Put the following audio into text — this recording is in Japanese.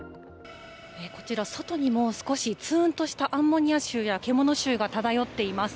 こちら、外にも少しツーンとしたアンモニア臭や獣臭が漂っています。